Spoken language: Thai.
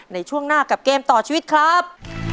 ในช่วงหน้ากับเกมต่อชีวิตครับ